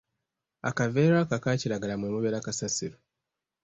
Akaveera ako akakiragala mwe mubeera kasasiro.